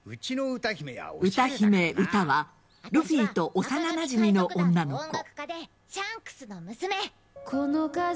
歌姫・ウタはルフィと幼なじみの女の子。